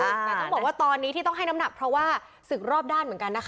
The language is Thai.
แต่ต้องบอกว่าตอนนี้ที่ต้องให้น้ำหนักเพราะว่าศึกรอบด้านเหมือนกันนะคะ